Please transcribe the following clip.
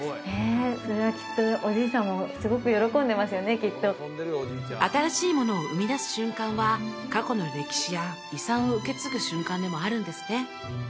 へえそれはおじいさんもすごく喜んでますよねきっと新しいものを生み出す瞬間は過去の歴史や遺産を受け継ぐ瞬間でもあるんですね